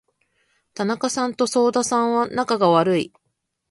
田中さんと左右田さんは仲が悪い。